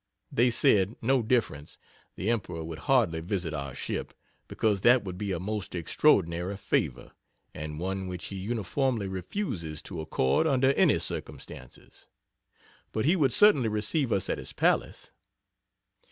They said, no difference the Emperor would hardly visit our ship, because that would be a most extraordinary favor, and one which he uniformly refuses to accord under any circumstances, but he would certainly receive us at his palace.